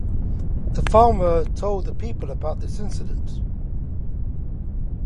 The farmer told the people about this incident.